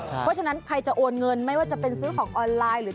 เพราะฉะนั้นใครจะโอนเงินไม่ว่าจะเป็นซื้อของออนไลน์หรือ